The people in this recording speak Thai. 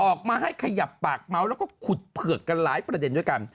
ออกมาให้ขยับปากเมาส์แล้วก็ขุดเผือกกันหลายประเด็นด้วยกัน